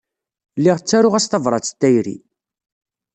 Lliɣ ttaruɣ-as tabrat n tayri.